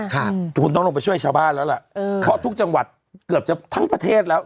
ทุกคนต้องลงไปช่วยชาวบ้านแล้วล่ะเออเพราะทุกจังหวัดเกือบจะทั้งประเทศแล้ว